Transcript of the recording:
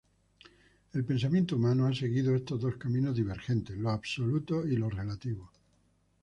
El pensamiento humano ha seguido estos dos caminos divergentes: lo absoluto y lo relativo.